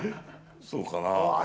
そうかなあ。